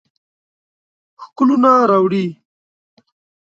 ښکلونه راوړي